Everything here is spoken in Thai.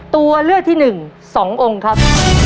ตัวเลือกที่๑๒องค์ครับ